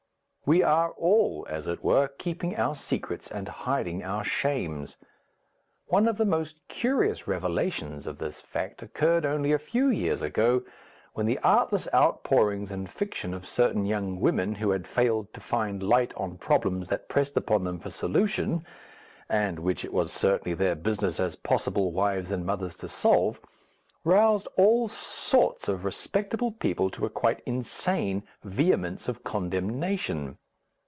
We are all, as it were, keeping our secrets and hiding our shames. One of the most curious revelations of this fact occurred only a few years ago, when the artless outpourings in fiction of certain young women who had failed to find light on problems that pressed upon them for solution (and which it was certainly their business as possible wives and mothers to solve) roused all sorts of respectable people to a quite insane vehemence of condemnation.